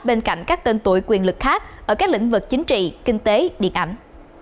bên cạnh các tên tuổi quyền lực khác ở các lĩnh vực chính trị kinh tế điện ảnh